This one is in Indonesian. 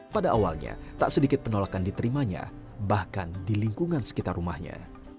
pada awalnya tak sedikit penolakan diterimanya bahkan di lingkungan sekitar rumahnya